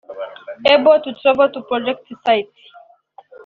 Able to travel to project sites